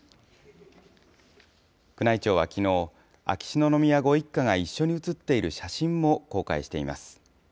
宮内庁はきのう、秋篠宮ご一家が一緒に写っている写真も公開しています。